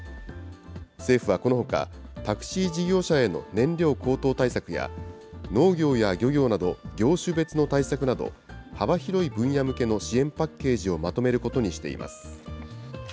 政府はこのほか、タクシー事業者への燃料高騰対策や、農業や漁業など、業種別の対策など、幅広い分野向けの支援パッケージをまとめることにしています。